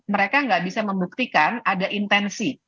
mereka nggak bisa membuktikan ada intensi